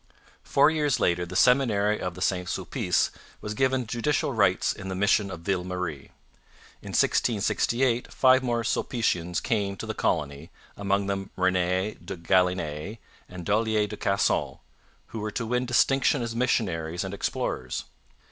Four years later the Seminary of St Sulpice was given judicial rights in the mission of Ville Marie. In 1668 five more Sulpicians came to the colony, among them Rene de Galinee and Dollier de Casson, who were to win distinction as missionaries and explorers.